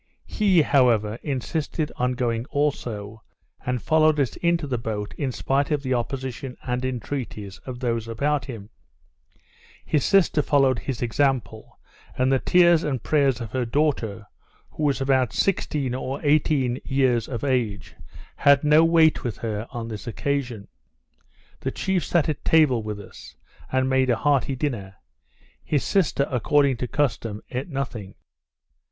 He, however, insisted on going also, and followed us into the boat in spite of the opposition and entreaties of those about him; his sister followed his example, and the tears and prayers of her daughter, who was about sixteen or eighteen years of age, had no weight with her on this occasion. The chief sat at table with us, and made a hearty dinner; his sister, according to custom, eat nothing.